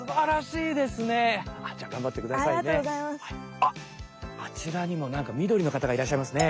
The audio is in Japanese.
あっあちらにもなんかみどりのかたがいらっしゃいますね。